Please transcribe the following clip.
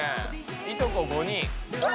いとこ５人。